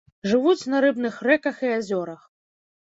Жывуць на рыбных рэках і азёрах.